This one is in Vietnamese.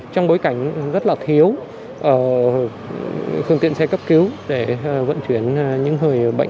trong bối cảnh rất là thiếu phương tiện xe cấp cứu để vận chuyển những người bệnh